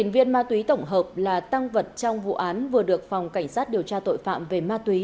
một mươi viên ma túy tổng hợp là tăng vật trong vụ án vừa được phòng cảnh sát điều tra tội phạm về ma túy